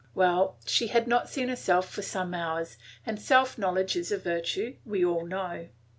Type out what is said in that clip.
Well, she had not seen herself for some hours, and self knowledge is a virtue, we all know.